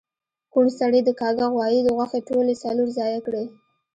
کوڼ سړي د کاږه غوایی غوښې ټولی څلور ځایه کړی